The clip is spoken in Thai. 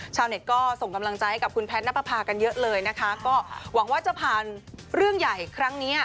ชาวเน็ตก็ส่งกำลังใจให้กับคุณแพทย์นับประพากันเยอะเลยนะคะก็หวังว่าจะผ่านเรื่องใหญ่ครั้งนี้